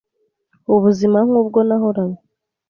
ubuzima nk’ubwo nahoranye